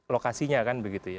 lokasinya kan begitu ya